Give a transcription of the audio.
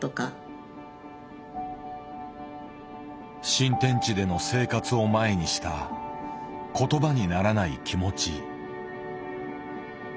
新天地での生活を前にした言葉にならない気持ち。